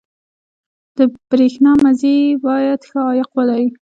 • د برېښنا مزي باید ښه عایق ولري.